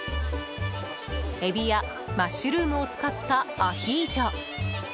エビやマッシュルームを使ったアヒージョ。